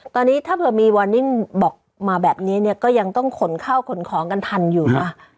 ตอนนี้ถ้าเผื่อมีวอนิ่งบอกมาแบบนี้เนี่ยก็ยังต้องขนข้าวขนของกันทันอยู่นะ